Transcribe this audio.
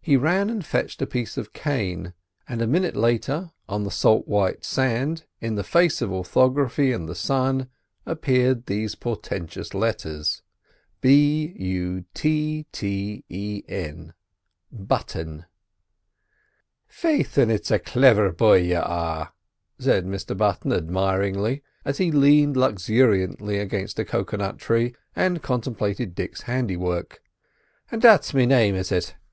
He ran and fetched a piece of cane, and a minute later on the salt white sand in face of orthography and the sun appeared these portentous letters: B U T T E N "Faith, an' it's a cliver boy y'are," said Mr Button admiringly, as he leaned luxuriously against a cocoa nut tree, and contemplated Dick's handiwork. "And that's me name, is it?